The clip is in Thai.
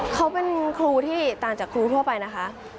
เขาเป็นครูที่ต่างจากครูทั่วไปนะคะ